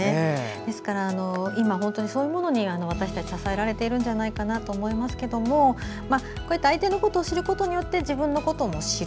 ですから今、本当にそういうものに、私たち支えられているんじゃないかなと思いますけども相手のことを知ることによって自分のことも知る。